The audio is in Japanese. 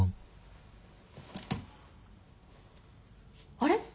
あれ？